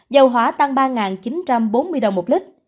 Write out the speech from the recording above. dầu hóa tăng ba chín trăm bốn mươi đồng một lít